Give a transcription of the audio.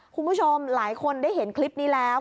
คุณผู้ชมหลายคนได้เห็นคลิปนี้แล้ว